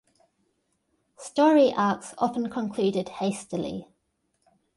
Story arcs often concluded hastily.